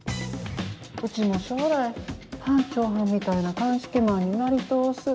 うちも将来班長はんみたいな鑑識マンになりとおす。